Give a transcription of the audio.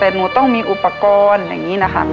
แต่หนูต้องมีอุปกรณ์อย่างนี้นะคะ